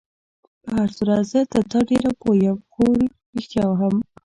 په هر صورت زه تر تا ډېر پوه یم، هو، رښتیا هم.